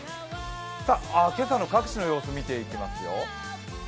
今朝の各地の様子を見ていきますよ。